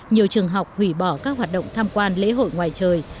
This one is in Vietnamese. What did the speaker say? nhiều trường học hủy bỏ các hoạt động tham quan lễ hội ngoài trời